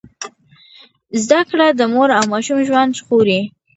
زده کړه د مور او ماشوم ژوند ژغوري۔